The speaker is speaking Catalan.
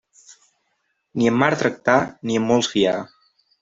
Ni en mar tractar, ni en molts fiar.